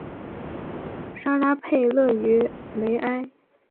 拉沙佩勒于雷埃。